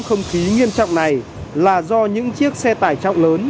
không khí nghiêm trọng này là do những chiếc xe tải trọng lớn